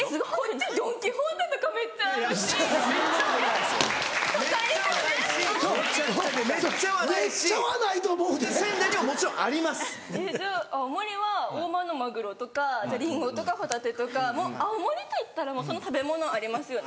じゃあ青森は大間のマグロとかリンゴとかホタテとか青森といったらもうその食べ物ありますよね。